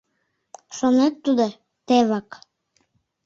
Шонет тудо — тевак.